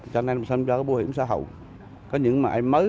cho nên tôi tham gia bảo hiểm xã hội